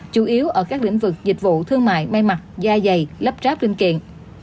chủ yếu ở các lĩnh vực dịch vụ thương mại may mặt da dày lắp ráp linh kiện